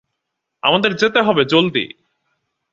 আমাদের যেতে হবে, জলদি।